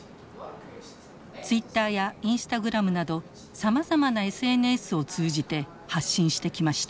ツイッターやインスタグラムなどさまざまなＳＮＳを通じて発信してきました。